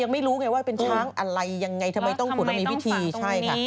ไม่รู้ไงว่าเป็นช้างอะไรยังไงทำไมต้องขุดมันมีวิธีใช่ค่ะ